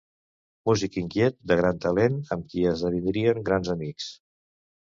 Músic inquiet de gran talent amb qui esdevindrien grans amics.